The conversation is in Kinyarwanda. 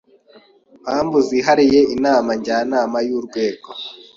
mpamvu zihariye Inama Njyanama y urwego